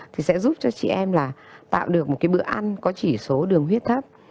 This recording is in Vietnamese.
thì sẽ giúp cho chị em là tạo được một cái bữa ăn